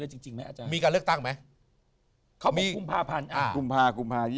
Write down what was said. เจอจริงมั้ยอาจารย์